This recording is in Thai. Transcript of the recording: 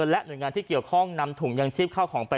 และหน่วยงานที่เกี่ยวข้องนำถุงยังชีพเข้าของไป